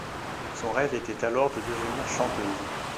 Son rêve était alors de devenir chanteuse.